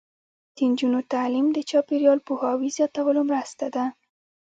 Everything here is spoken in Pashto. د نجونو تعلیم د چاپیریال پوهاوي زیاتولو مرسته ده.